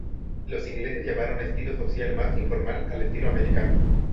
Los ingleses llamaron estilo social más informal al estilo americano.